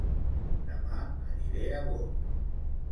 Dema aniré a Bot